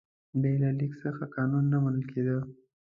بې له لیک څخه قانون نه منل کېده.